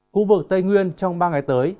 khu vực tây nguyên trong ba ngày tới